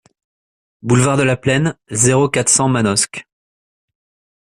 Boulevard de la Plaine, zéro quatre, cent Manosque